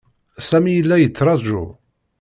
Sami yella yettṛaju.